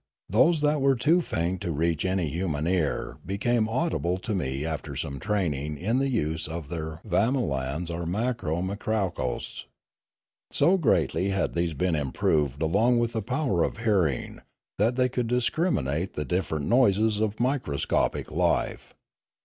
Those that were too faint to reach any human ear became audible to me after some training in the use of their vamolans or makro mikrakousts. So greatly had these been improved along with the power of hearing that they could discriminate the different noises of microscopic life.